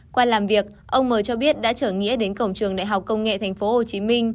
qua làm việc ông m cho biết đã chở nghĩa đến cổng trường đại học công nghệ tp hcm